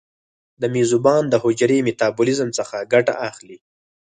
د میزبان د حجرې میتابولیزم څخه ګټه اخلي.